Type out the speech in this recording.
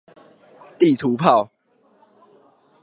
地圖炮